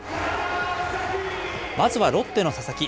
まずはロッテの佐々木。